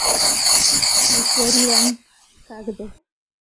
نسواري رنګ کږ دی.